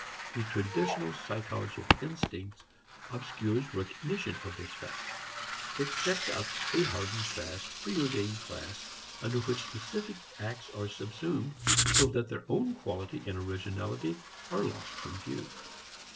The traditional psychology of instincts obscures recognition of this fact. It sets up a hard and fast preordained class under which specific acts are subsumed, so that their own quality and originality are lost from view.